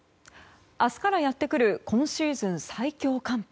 明日からやってくる今シーズン最強寒波。